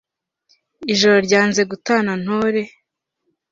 ijoro ryanze gutana ntore